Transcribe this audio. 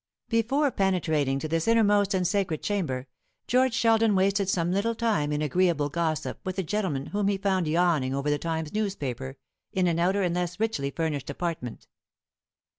Before penetrating to this innermost and sacred chamber, George Sheldon wasted some little time in agreeable gossip with a gentleman whom he found yawning over the Times newspaper in an outer and less richly furnished apartment.